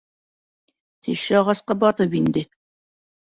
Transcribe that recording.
Теше ағасҡа батып инде.